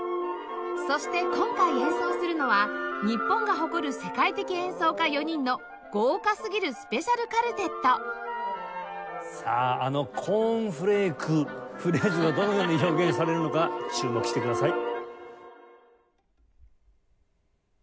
そして今回演奏するのは日本が誇る世界的演奏家４人の豪華すぎるスペシャルカルテットさああのコーンフレークフレーズをどのように表現されるのか注目してください。